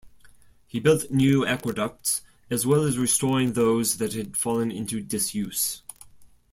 He built new aqueducts as well as restoring those that had fallen into disuse.